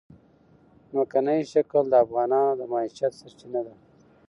ځمکنی شکل د افغانانو د معیشت سرچینه ده.